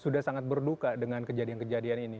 sudah sangat berduka dengan kejadian kejadian ini